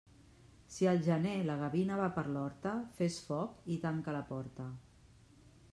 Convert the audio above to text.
Si al gener la gavina va per l'horta, fes foc i tanca la porta.